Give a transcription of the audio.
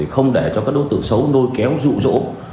không để cho các đối tượng xấu lôi kéo rụ rỗ